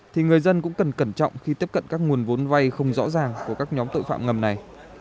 thì người dân cũng cần cẩn trọng khi tiếp cận các nguồn vốn vay không rõ ràng của các nhóm tội phạm ngầm này